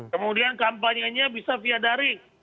kemudian kampanyenya bisa via daring